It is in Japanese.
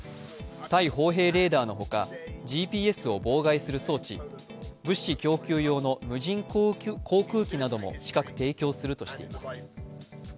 対砲兵レーダーのほか、ＧＰＳを妨害する装置、物資供給用の無人航空機なども近く提供するとしています。